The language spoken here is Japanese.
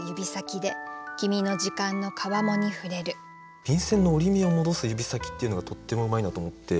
「便箋の折り目を戻す指先」っていうのがとってもうまいなと思って。